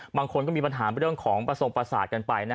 บางคนก็มีปัญหาเรื่องของประสงค์ประสาทกันไป